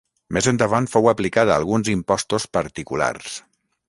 Més endavant fou aplicat a alguns impostos particulars.